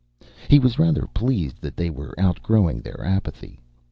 He was rather pleased that they were outgrowing their apathy.